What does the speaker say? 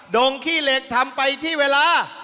งขี้เหล็กทำไปที่เวลา